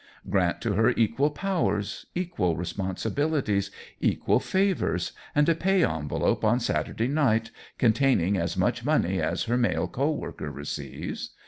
Grant to her equal powers, equal responsibilities, equal favors and a pay envelope on Saturday night containing as much money as her male co worker receives.